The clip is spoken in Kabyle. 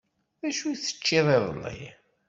D acu i teččiḍ iḍelli?